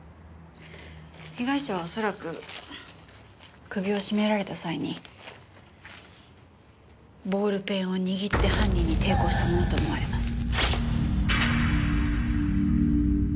被害者はおそらく首を絞められた際にボールペンを握って犯人に抵抗したものと思われます。